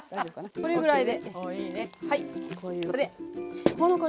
これぐらいで。